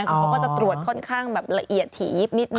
เขาก็จะตรวจค่อนข้างแบบละเอียดถี่นิดหนึ่ง